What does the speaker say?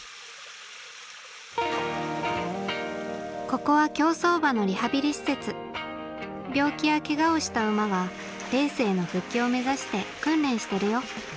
ここは競走馬のリハビリ施設病気やケガをした馬がレースへの復帰を目指して訓練してるよ